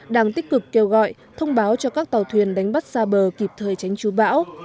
đang tích cực kêu gọi thông báo cho các tàu thuyền đánh bắt xa bờ kịp thời tránh chú bão